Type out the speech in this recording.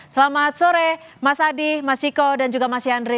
selamat sore mas adi mas ciko dan juga mas yandri